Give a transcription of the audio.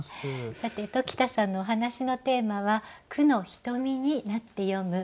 さて鴇田さんのお話のテーマは「『句のひとみ』になって読む」。